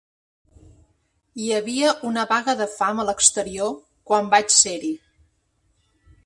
Hi havia una vaga de fam a l'exterior quan vaig ser-hi.